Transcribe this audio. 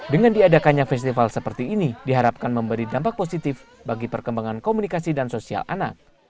dengan diadakannya festival seperti ini diharapkan memberi dampak positif bagi perkembangan komunikasi dan sosial anak